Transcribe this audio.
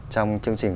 trong chương trình